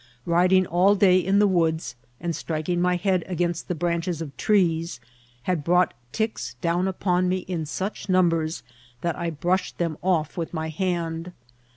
Riding all day in the woods, and striking my head against the branches of trees, had tarought ticks down upon me in such numbers that I brushed them off with my hand.